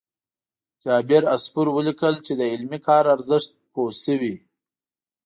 جابر عصفور ولیکل چې د علمي کار ارزښت پوه شوي.